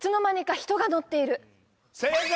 正解！